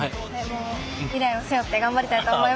未来を背負って頑張りたいと思います。